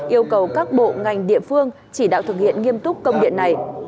yêu cầu các bộ ngành địa phương chỉ đạo thực hiện nghiêm túc công điện này